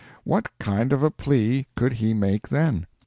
What kind of a plea could he make then?